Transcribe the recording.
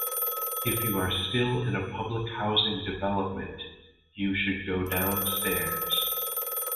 If you are still in a public housing development, you should go downstairs.